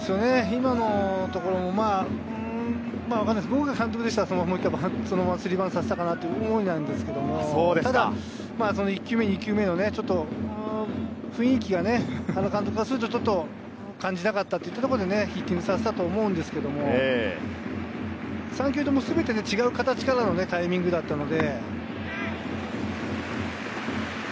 今のところも僕が監督でしたら、そのままスリーバントをさせたかなという思いなんですけれど、ただ１球目、２球目を雰囲気が原監督からすると、ちょっと感じなかったといったところで、ヒッティングさせたと思うんですけれど、３球ともすべて違う形からのタイミングだったので。